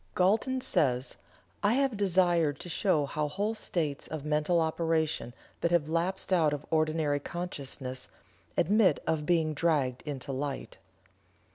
Galton says: "I have desired to show how whole states of mental operation that have lapsed out of ordinary consciousness, admit of being dragged into light."